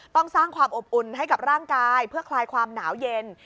ต้องสร้างความอบอุ่นให้กับร่างกายเพื่อคลายความหนาวเย็น